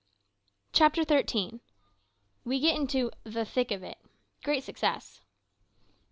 CHAPTER THIRTEEN. WE GET INTO "THE THICK OF IT" GREAT SUCCESS.